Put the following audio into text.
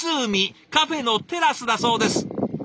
カフェのテラスだそうです。